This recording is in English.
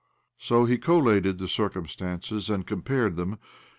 So he collated the cir cumstances, and compared them.